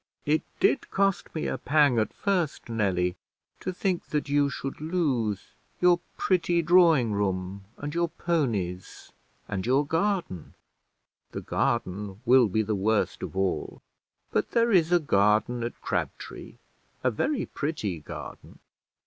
It did cost me a pang at first, Nelly, to think that you should lose your pretty drawing room, and your ponies, and your garden: the garden will be the worst of all; but there is a garden at Crabtree, a very pretty garden."